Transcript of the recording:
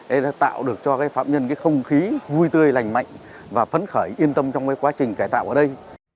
đấy là tạo được cho phạm nhân không khí vui tươi lành mạnh và phấn khởi yên tâm trong quá trình cải tạo ở đây